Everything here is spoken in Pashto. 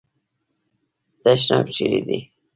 تشناب چیري دی ؟